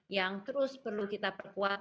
yang terus perlu kita perkuat